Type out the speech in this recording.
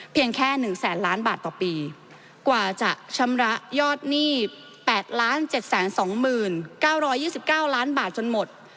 แค่๑แสนล้านบาทต่อปีกว่าจะชำระยอดหนี้๘๗๒๙๒๙ล้านบาทจนหมด